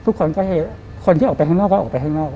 คนที่ออกไปข้างนอกก็ออกไปข้างนอก